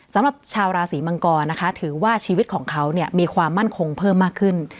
สำหรับชาวราศีมังกรนะคะถือว่าชีวิตของเขาเนี่ยมีความมั่นคงเพิ่มมากขึ้น